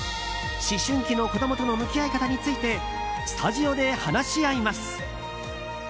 思春期の子供との向き合い方についてスタジオで話し合います。